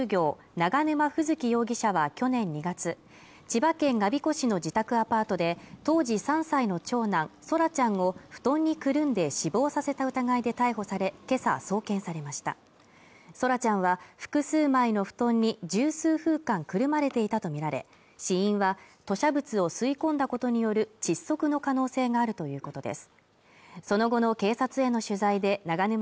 永沼楓月容疑者は去年２月千葉県我孫子市の自宅アパートで当時３歳の長男奏良ちゃんを布団にくるんで死亡させた疑いで逮捕されけさ送検されました奏良ちゃんは複数枚の布団に十数分間くるまれていたとみられ死因は吐瀉物を吸い込んだことによる窒息の可能性があるということです